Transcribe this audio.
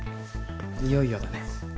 いよいよだね。